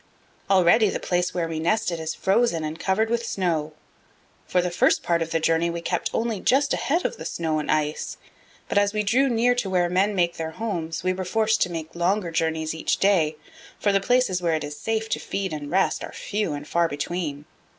Already the place where we nested is frozen and covered with snow. For the first part of the journey we kept only just ahead of the snow and ice, but as we drew near to where men make their homes we were forced to make longer journeys each day, for the places where it is safe to feed and rest are few and far between.